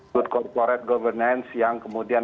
good corporate governance yang kemudian